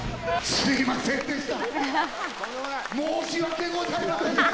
すみませんでした。